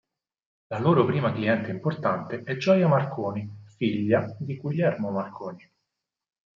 La loro prima cliente importante è Gioia Marconi, figlia di Guglielmo Marconi.